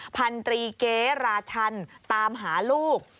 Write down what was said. พันตรีเกราชันตามหาลูก